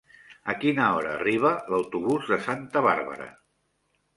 A quina hora arriba l'autobús de Santa Bàrbara?